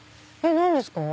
何ですか？